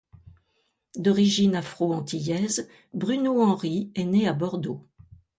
D’origine Afro-Antillaise, Bruno Henry est né à Bordeaux.